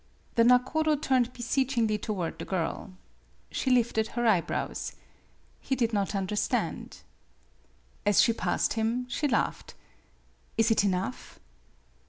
The nakodo turned beseechingly toward the girl. She lifted her eyebrows. He did not understand. As she passed him she laughed. " Is it enough